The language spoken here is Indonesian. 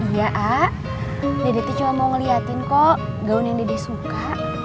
iya a dedet cuma mau ngeliatin kok gaun yang dede suka